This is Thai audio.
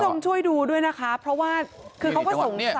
คุณผู้ชมช่วยดูด้วยนะคะเพราะว่าคือเขาก็ส่งเนี่ย